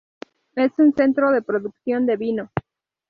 Es un centro de producción de vino.